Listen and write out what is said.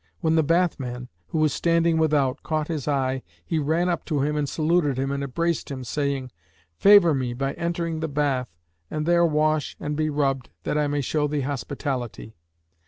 When the bathman, who was standing without, caught his eye he ran up to him and saluted him and embraced him, saying, "Favour me by entering the bath and there wash and be rubbed that I may show thee hospitality."